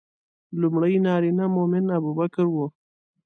لومړی نارینه مؤمن ابوبکر و.